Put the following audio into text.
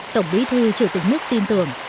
tổng bí thư chủ tịch nước tin tưởng